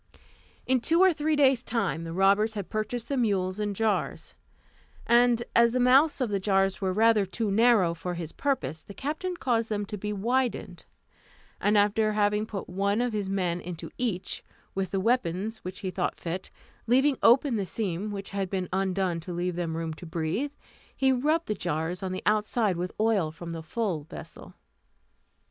In two or three days' time the robbers had purchased the mules and jars, and as the mouths of the jars were rather too narrow for his purpose, the captain caused them to be widened, and after having put one of his men into each, with the weapons which he thought fit, leaving open the seam which had been undone to leave them room to breathe, he rubbed the jars on the outside with oil from the full vessel.